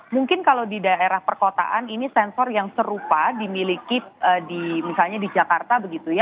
mungkin kalau di daerah perkotaan ini sensor yang serupa dimiliki di misalnya di jakarta begitu ya